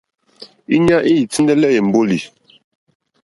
Íɲá î tíndɛ́lɛ́ èmbólì.